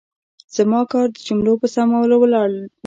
زما کار د جملو په سمولو ولاړ و.